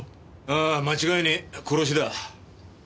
ああ間違いねえ殺しだ。